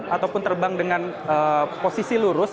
ataupun terbang dengan posisi lurus